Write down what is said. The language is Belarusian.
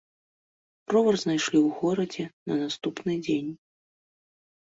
Ровар знайшлі ў горадзе на наступны дзень.